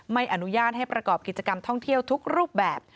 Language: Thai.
ไม่อนุญาตให้ประกอบกิจกรรมท่องเที่ยวทุกรูปแบบ